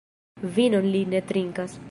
Vinon li ne trinkas.